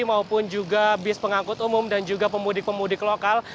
maupun juga bis pengangkut umum dan juga pemudik pemudik lokal